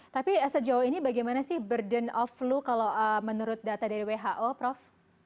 tapi sejauh ini bagaimana sih burden of flu kalau menurut data dari who prof